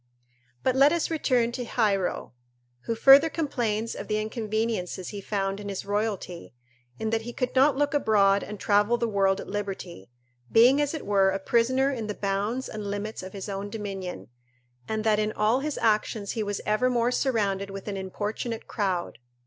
But let us return to Hiero, who further complains of the inconveniences he found in his royalty, in that he could not look abroad and travel the world at liberty, being as it were a prisoner in the bounds and limits of his own dominion, and that in all his actions he was evermore surrounded with an importunate crowd.